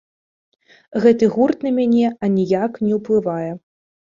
Гэты гурт на мяне аніяк не ўплывае.